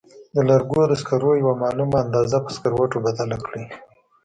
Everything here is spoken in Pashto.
د لرګو د سکرو یوه معلومه اندازه په سکروټو بدله کړئ.